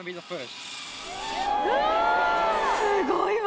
すごいわ。